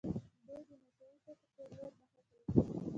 دوی د نشه يي توکو په لور مخه کوي.